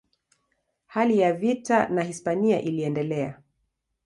Hali ya vita na Hispania iliendelea.